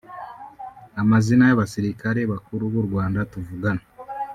amazina y’abasirikare bakuru b’u Rwanda tuvugana